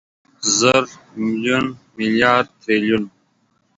زر، ميليون، ميليارد، تریلیون